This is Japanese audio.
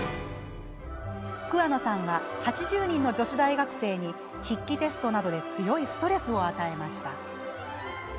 桑野さんは８０人の女子大学生に筆記テストなどで強いストレスを与えました。